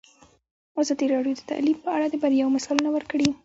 ازادي راډیو د تعلیم په اړه د بریاوو مثالونه ورکړي.